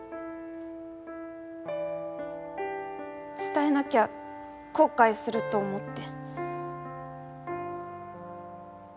伝えなきゃ後悔すると思って。